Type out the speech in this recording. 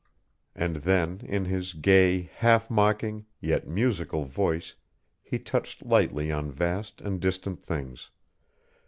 And then, in his gay, half mocking, yet musical voice he touched lightly on vast and distant things.